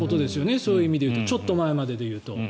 そういう意味で言うとちょっと前まででいうと。